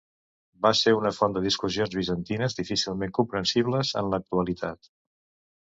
Va ser una font de discussions bizantines difícilment comprensibles en l'actualitat.